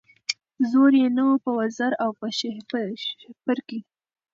زور یې نه وو په وزر او په شهپر کي